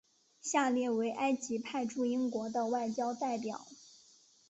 下列为埃及派驻英国的外交代表。